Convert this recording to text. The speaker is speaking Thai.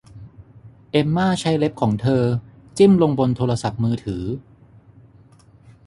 เอ็มม่าใช้เล็บของเธอจิ้มลงบนโทรศัพท์มือถือ